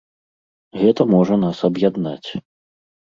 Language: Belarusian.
Гэта можа нас аб'яднаць.